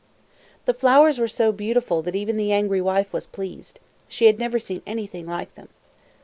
The flowers were so beautiful that even the angry wife was pleased. She had never seen anything like them.